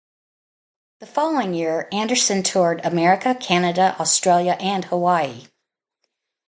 The following year, Anderson toured America, Canada, Australia, and Hawaii.